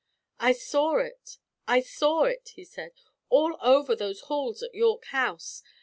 "I saw it, I saw it;" he said, "all over those halls at York House.